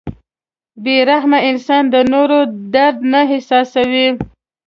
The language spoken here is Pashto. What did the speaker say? • بې رحمه انسان د نورو درد نه احساسوي.